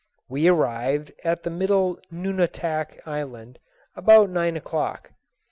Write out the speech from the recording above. We arrived at the middle Nunatak Island about nine o'clock.